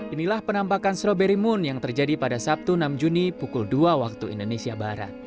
inilah penampakan strawberry moon yang terjadi pada sabtu enam juni pukul dua waktu indonesia barat